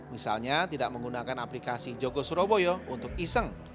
misalnya tidak menggunakan aplikasi jogo surabaya untuk iseng